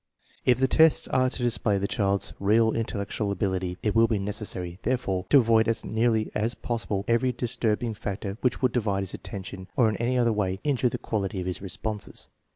If the tests are to display the child's real intellectual ability it will be necessary, therefore, to avoid as nearly as possible every disturbing factor which would divide his attention or in any other way injure the quality of his responses.